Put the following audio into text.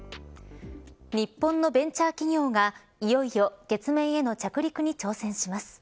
日本のベンチャー企業がいよいよ月面の着陸に挑戦します。